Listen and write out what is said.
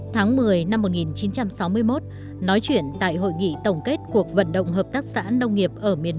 tháng một mươi năm một nghìn chín trăm sáu mươi một nói chuyện tại hội nghị tổng kết cuộc vận động hợp tác sản nông nghiệp